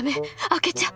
開けちゃ。